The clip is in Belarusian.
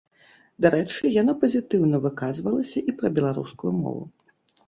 Дарэчы, яна пазітыўна выказвалася і пра беларускую мову.